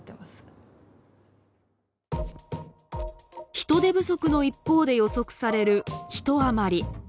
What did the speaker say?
人手不足の一方で予測される人余り。